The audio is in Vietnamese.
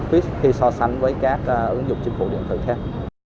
khi so sánh với các ứng dụng chính phủ địa phương khác